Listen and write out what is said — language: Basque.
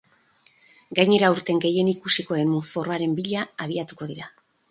Gainera aurten gehien ikusiko den mozorroaren bila abiatuko dira.